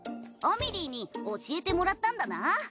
あみりいに教えてもらったんだな。